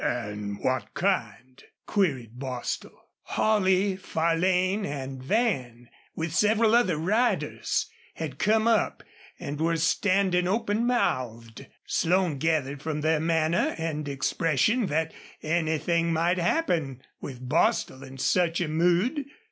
"An' what kind?" queried Bostil. Holley and Farlane and Van, with several other riders, had come up and were standing open mouthed. Slone gathered from their manner and expression that anything might happen with Bostil in such a mood.